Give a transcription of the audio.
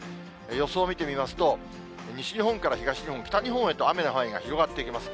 予想を見てみますと、西日本から東日本、北日本へと雨の範囲が広がっていきます。